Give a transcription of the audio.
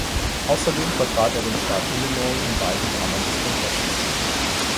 Außerdem vertrat er den Staat Illinois in beiden Kammern des Kongresses.